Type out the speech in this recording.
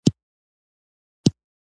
د کابل کندهار لویه لار